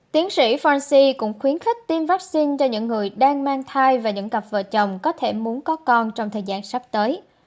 tiến sĩ franci cũng khuyến khích tiêm vaccine cho những người đang mang thai và những cặp vợ chồng có thể muốn có con trong thời gian sắp tới